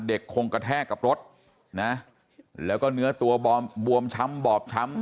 คงกระแทกกับรถนะแล้วก็เนื้อตัวบอมบวมช้ำบอบช้ำ